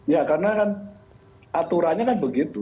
ya karena kan aturannya kan begitu